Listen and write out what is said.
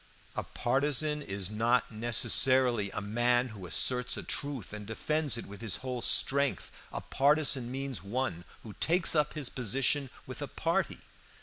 "A partisan is not necessarily a man who asserts a truth and defends it with his whole strength. A partisan means one who takes up his position with a party.